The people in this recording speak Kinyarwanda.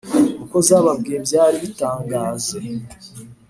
uko zababwiye byari bitangaze